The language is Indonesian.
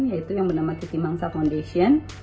yaitu yang bernama cuti mangsa foundation